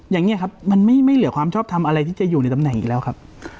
อย่างนี้ครับมันไม่เหลือความชอบทำอะไรที่จะอยู่ในตำแหน่งอีกแล้วครับ